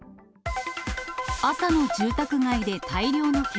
朝の住宅街で大量の煙。